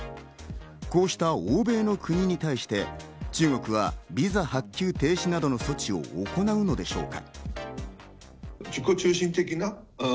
こうした欧米の国に対して、中国はビザ発給停止などの措置を行うのでしょうか？